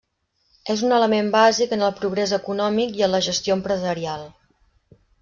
És un element bàsic en el progrés econòmic i en la gestió empresarial.